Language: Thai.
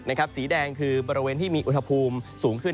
เสียสีแดงคือบริเวณที่มีอุทศาพย์ภูมิสูงขึ้น